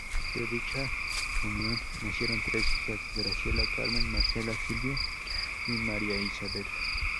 De dicha unión nacieron tres hijas: Graciela Carmen, Marcela Silvia y María Isabel.